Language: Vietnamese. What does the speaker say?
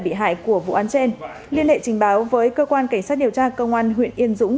bị hại của vụ án trên liên hệ trình báo với cơ quan cảnh sát điều tra công an huyện yên dũng